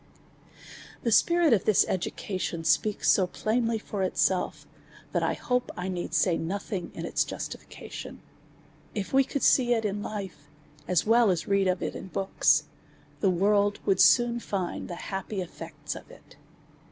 The spirit of this education speaks so plainly for it self, thatj I hope^ 1 need say nothing in its justifica tion. If we could see it in life^ as well as read of it in books^ the world would soon find the happy eftects of it.